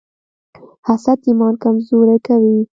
حسد ایمان کمزوری کوي.